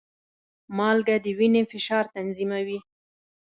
مالګه د وینې فشار تنظیموي.